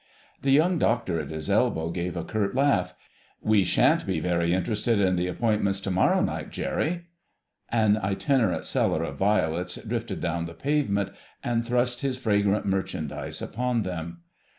The Young Doctor at his elbow gave a curt laugh: "We shan't be very interested in the Appointments to morrow night, Jerry!" An itinerant seller of violets drifted down the pavement and thrust his fragrant merchandise upon them.